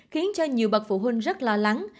khiến cho nhiều bậc phụ huynh rất lo lắng